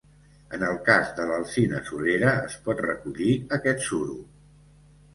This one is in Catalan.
En el cas de l'alzina surera es pot recollir aquest suro.